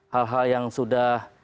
hal hal yang sudah